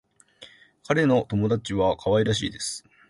私の友達は可愛らしいです。